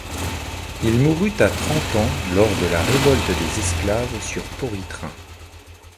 Il mourut à trente ans lors de la révolte des esclaves sur Poritrin.